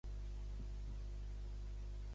No era pel Fabrizio.